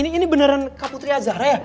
ini beneran kak putri azara ya